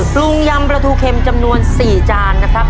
ยำปลาทูเข็มจำนวน๔จานนะครับ